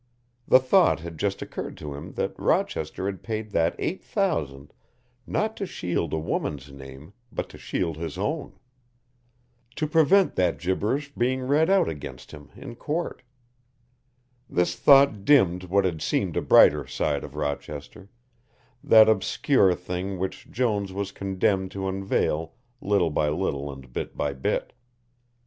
The thought had just occurred to him that Rochester had paid that eight thousand not to shield a woman's name but to shield his own. To prevent that gibberish being read out against him in court. This thought dimmed what had seemed a brighter side of Rochester, that obscure thing which Jones was condemned to unveil little by little and bit by bit.